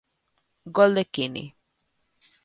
Gol de Quini.